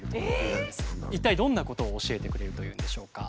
一体どんなことを教えてくれるというんでしょうか？